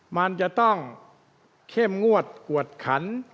มันจะต้องเข้มงวดกวดขัน